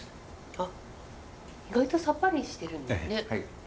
あっ意外とさっぱりしてるんですね。